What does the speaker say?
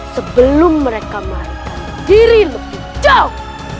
sebelum mereka melarikan diri lebih jauh